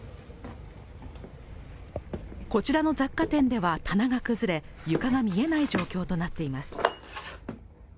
こちらの雑貨店では棚が崩れ、床が見えない状況となっています。